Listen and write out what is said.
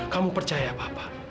kamu percaya papa